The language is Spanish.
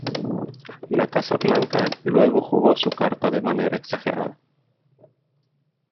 La Casa Blanca luego jugó su carta de manera exagerada.